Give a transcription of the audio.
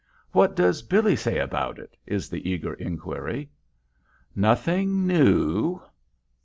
"What does Billy say about it?" is the eager inquiry. "Nothing new."